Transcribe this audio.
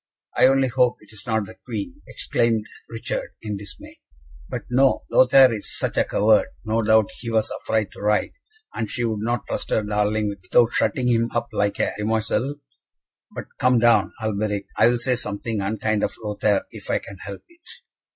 "I only hope it is not the Queen," exclaimed Richard, in dismay. "But no; Lothaire is such a coward, no doubt he was afraid to ride, and she would not trust her darling without shutting him up like a demoiselle. But come down, Alberic; I will say nothing unkind of Lothaire, if I can help it."